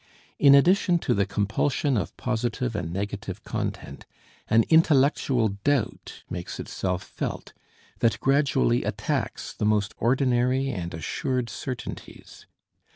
In addition to the compulsion of positive and negative content, an intellectual doubt makes itself felt that gradually attacks the most ordinary and assured certainties.